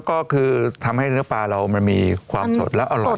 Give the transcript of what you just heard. ก็คือทำให้เนื้อปลาเรามันมีความสดและอร่อย